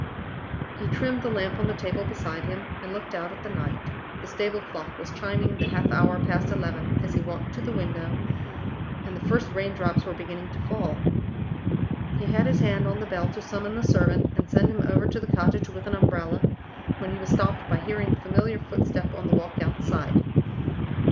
He trimmed the lamp on the table beside him and looked out at the night. The stable clock was chiming the half hour past eleven as he walked to the window, and the first rain drops were beginning to fall. He had his hand on the bell to summon the servant, and send him over to the cottage with an umbrella, when he was stopped by hearing the familiar footstep on the walk outside.